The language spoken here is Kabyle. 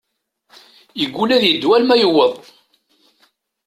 Yegull ad yeddu alma yuweḍ.